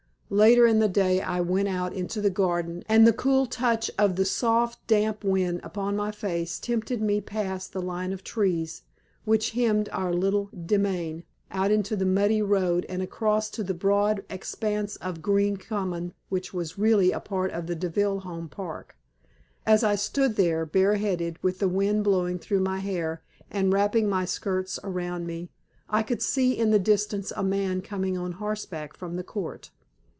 Later in the day I went out into the garden, and the cool touch of the soft, damp wind upon my face tempted me past the line of trees which hemmed in our little demesne out into the muddy road and across to the broad expanse of green common which was really a part of the Deville home park. As I stood there, bareheaded, with the wind blowing through my hair and wrapping my skirts around me, I could see in the distance a man coming on horseback from the Court.